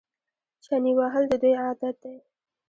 چنې وهل د دوی عادت دی.